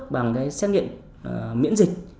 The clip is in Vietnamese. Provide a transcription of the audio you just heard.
bằng cái xét nghiệm miễn dịch